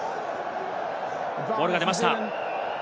ボールが出ました。